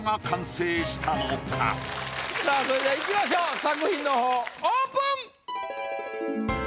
さぁそれではいきましょう作品の方オープン！